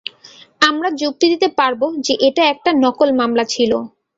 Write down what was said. আমরা যুক্তি দিতে পারব যে এটা একটা নকল মামলা ছিল।